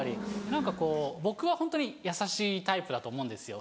何かこう僕はホントに優しいタイプだと思うんですよ。